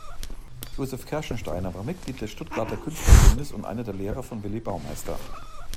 Josef Kerschensteiner war Mitglied des Stuttgarter Künstlerbundes und einer der Lehrer von Willi Baumeister.